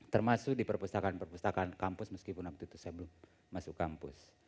termasuk di perpustakaan perpustakaan kampus meskipun waktu itu saya belum masuk kampus